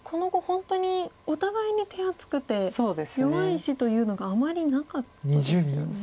本当にお互いに手厚くて弱い石というのがあまりなかったですよね。